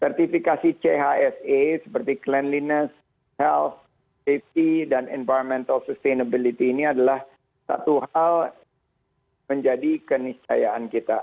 sertifikasi chse seperti cleanliness health safety dan environmental sustainability ini adalah satu hal menjadi keniscayaan kita